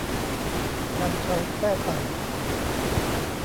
วันชัย แซ่ตัน